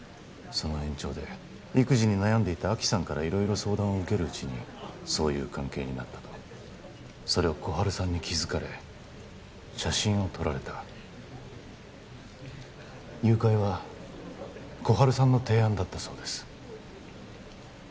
その延長で育児に悩んでいた亜希さんから色々相談を受けるうちにそういう関係になったとそれを心春さんに気づかれ写真を撮られた誘拐は心春さんの提案だったそうです